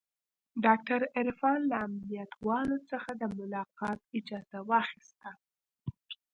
ډاکتر عرفان له امنيت والاو څخه د ملاقات اجازه واخيسته.